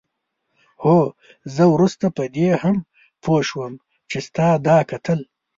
هو زه وروسته په دې هم پوه شوم چې ستا دا کتل.